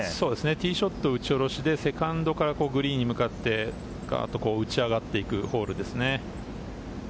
ティーショット、打ち下ろしでセカンドからグリーンに向かって打ち上がっていくホールですね。